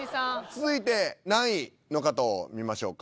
続いて何位の方を見ましょうか。